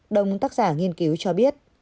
đồng tác giả nghiên cứu cho biết